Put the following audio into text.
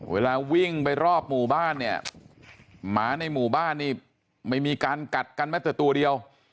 เวลาวิ่งไปรอบหมู่บ้านเนี่ยหมาในหมู่บ้านนี่ไม่มีการกัดกันแม้แต่ตัวเดียว